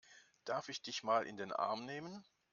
Darf ich dich mal in den Arm nehmen?